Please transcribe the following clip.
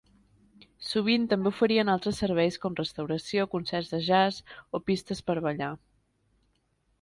Sovint també oferien altres serveis com restauració, concerts de jazz o pistes per a ballar.